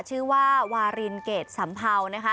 ชื่อว่าวารินเกรดสำเภา